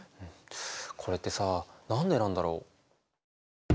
これってさ何でなんだろう？